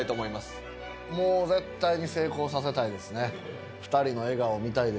もう絶対に成功させたいですね。